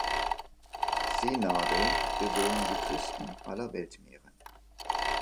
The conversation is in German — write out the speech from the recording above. Seenadeln bewohnen die Küsten aller Weltmeere.